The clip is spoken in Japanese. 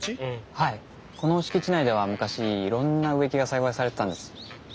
はいこの敷地内では昔いろんな植木が栽培されてたんです。